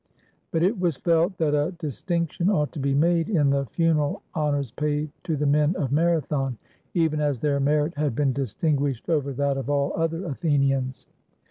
But it was felt that a distinction ought to be made in the funeral honors paid to the men of Marathon, even as their merit had been distinguished over that of all other Athenians.